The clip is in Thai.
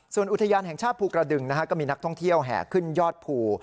ส่วนอุทยานแห่งชาติภูกระดึงก็มีนักท่องเที่ยวแห่ขึ้นยอดภู